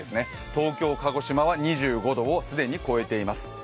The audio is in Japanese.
東京、鹿児島は２５度を既に超えています。